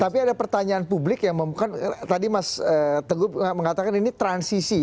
tapi ada pertanyaan publik yang tadi mas teguh mengatakan ini transisi